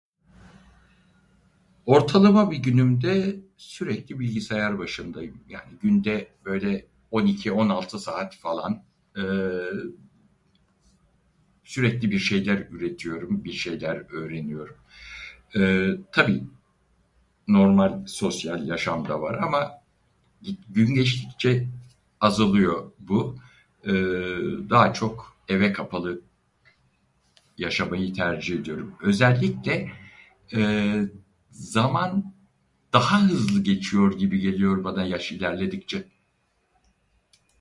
Ortalama bir günümde, sürekli bilgisayar başındayım, yani günde böyle 12, 16 saat falan, ee, sürekli bir şeyler üretiyorum, bir şeyler öğreniyorum. Ee, tabii normal sosyal yaşam da var, ama gün geçtikçe azalıyor bu, daha çok eve kapalı yaşamayı tercih ediyorum. Özellikle ee, zaman daha hızlı geçiyor gibi geliyor bana yaş ilerledikçe.